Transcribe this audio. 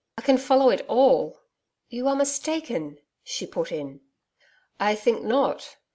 I can follow it all....' 'You are mistaken,' she put in. 'I think not.